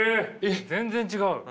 全然違う？